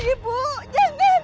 pergi bu jangan